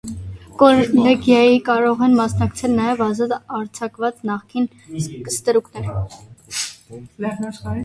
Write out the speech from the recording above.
Կոլեգիային կարող էին մասնակցել նաև ազատ արձակված նախկին ստրուկներ։